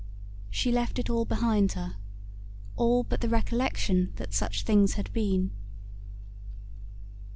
She left it all behind her, all but the recollection that such things had been.